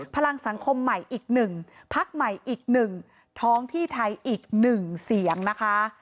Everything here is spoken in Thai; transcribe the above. พลังสังคมใหม่อีก๑พักใหม่อีก๑ท้องที่ไทยอีก๑เสียงนะคะ